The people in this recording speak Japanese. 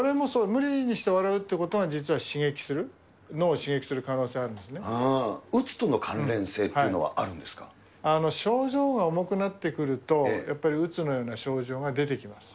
無理して笑うということが実は刺激する、脳を刺激する可能性あるうつとの関連性というのはあ症状が重くなってくると、やっぱりうつのような症状が出てきます。